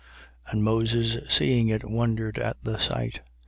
And Moses seeing it wondered at the sight.